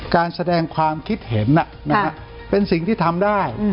การแสดงความคิดเห็นเป็นสิ่งที่ทำได้